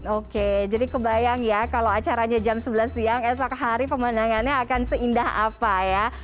oke jadi kebayang ya kalau acaranya jam sebelas siang esok hari pemandangannya akan seindah apa ya